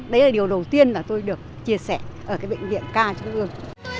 đấy là điều đầu tiên là tôi được chia sẻ ở cái bệnh viện ca trung ương